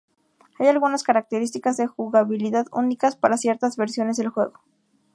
Hay algunas características de jugabilidad únicas para ciertas versiones del juego.